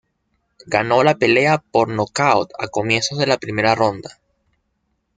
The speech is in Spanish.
Ganó la pelea por nocaut a comienzos de la primera ronda.